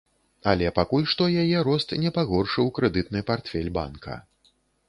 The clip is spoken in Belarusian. Але пакуль што яе рост не пагоршыў крэдытны партфель банка.